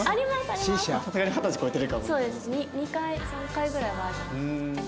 ２回３回ぐらいはあります。